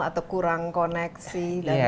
atau kurang koneksi